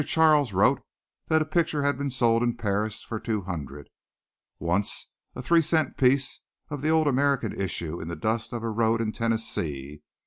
Charles wrote that a picture had been sold in Paris for two hundred; once a three cent piece of the old American issue in the dust of a road in Tennessee M.